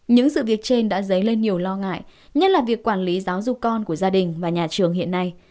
những sự việc trên đã dấy lên nhiều lo ngại nhất là việc quản lý giáo dục con của gia đình và nhà trường hiện nay